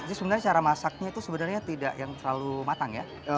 jadi sebenarnya cara masaknya itu sebenarnya tidak yang terlalu matang ya